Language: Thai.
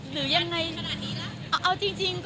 หรือยังไงเราต้องขนาดนี้แล้วค่ะ